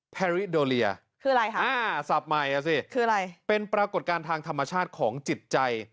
แพรริโดเลียสับใหม่น่ะสิเป็นปรากฏการณ์ทางธรรมชาติของจิตใจ